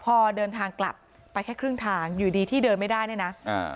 พอเดินทางกลับไปแค่ครึ่งทางอยู่ดีที่เดินไม่ได้เนี่ยนะอ่า